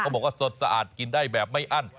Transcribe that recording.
บอกว่าสดสะอาดกินได้แบบไม่อั้น